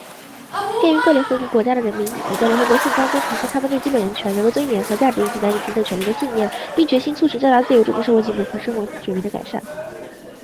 鉴于各联合国国家的人民已在联合国宪章中重申他们对基本人权、人格尊严和价值以及男女平等权利的信念,并决心促成较大自由中的社会进步和生活水平的改善